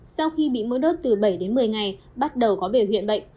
sau khi bị mỗi đốt từ bảy đến một mươi ngày bắt đầu có biểu hiện bệnh